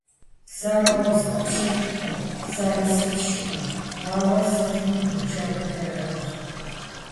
Сэ уэ узгъэпщылӀкъым, сэри сыпщкъым, ауэ сытми доджэгури аращ.